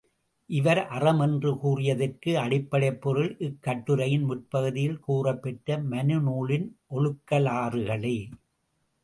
இவர் அறம் என்று கூறியதற்கு அடிப்படைப் பொருள் இக் கட்டுரையின் முற்பகுதியில் கூறப்பெற்ற மனுநூலின் ஒழுகலாறுகளே!